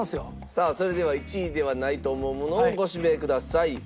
さあそれでは１位ではないと思うものをご指名ください。